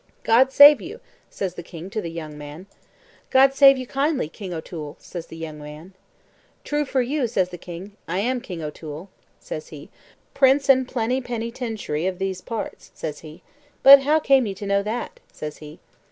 "God save you," says the king to the young man. "God save you kindly, King O'Toole," says the young man. "True for you," says the king. "I am King O'Toole," says he, "prince and plennypennytinchery of these parts," says he; "but how came ye to know that?" says he.